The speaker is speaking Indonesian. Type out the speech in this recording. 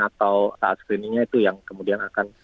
atau saat screeningnya itu yang kemudian akan